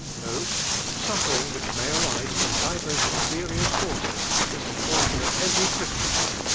No; suffering which may arise from divers exterior causes is the portion of every Christian.